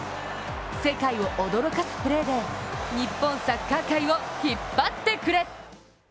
世界を驚かすプレーで日本サッカー界を引っ張ってくれ。